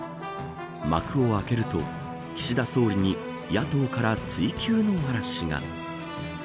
幕を開けると、岸田総理に野党から追及の嵐が。